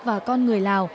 và con người lào